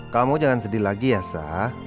kamu jangan sedih lagi ya sah